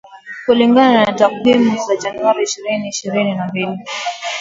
Kulingana na takwimu za Januari ishirini ishirini na mbili